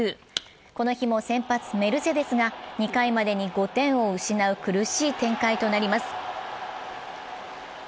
この日も先発・メルセデスが２回までに５点を失う苦しい展開となります。